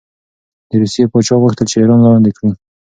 د روسیې پاچا غوښتل چې ایران لاندې کړي.